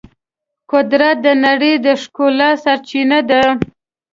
قدرت د نړۍ د ښکلا سرچینه ده.